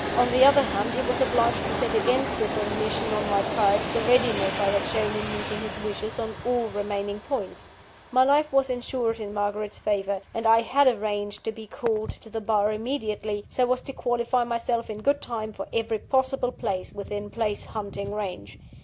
On the other hand, he was obliged to set against this omission on my part, the readiness I had shown in meeting his wishes on all remaining points. My life was insured in Margaret's favour; and I had arranged to be called to the bar immediately, so as to qualify myself in good time for every possible place within place hunting range.